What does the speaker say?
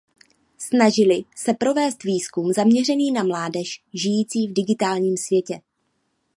Snažili se provést výzkum zaměřený na mládež žijící v digitálním světě.